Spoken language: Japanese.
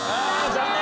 残念。